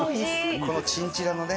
このチンチラのね。